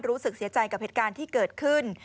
รู้สึกเสียใจกับเหตุการณ์ที่เกิดขึ้น